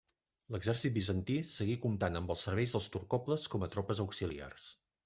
L'exèrcit bizantí segui comptant amb els serveis dels turcoples com a tropes auxiliars.